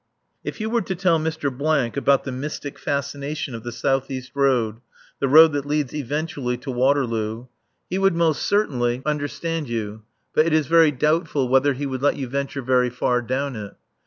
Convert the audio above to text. If you were to tell Mr. about the mystic fascination of the south east road, the road that leads eventually to Waterloo, he would most certainly understand you, but it is very doubtful whether he would let you venture very far down it.